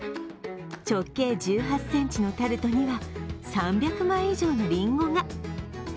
直径１８ｃｍのタルトには、３００枚以上のりんごが。